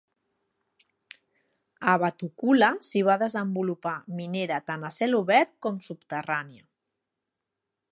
A Vatukoula s'hi va desenvolupar minera tant a cel obert com subterrània.